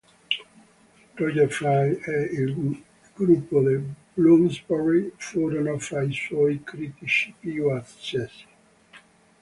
Roger Fry e il Gruppo di Bloomsbury furono fra i suoi critici più accesi.